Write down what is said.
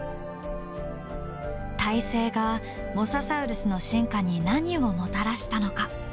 胎生がモササウルスの進化に何をもたらしたのか。